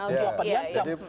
siapa yang ancam